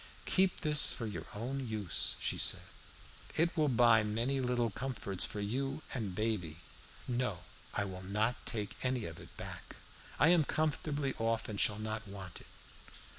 "Keep this for your own use," she said "it will buy many little comforts for you and baby. No, I will not take any of it back. I am comfortably off and shall not want it."